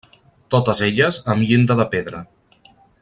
Totes elles amb llinda de pedra.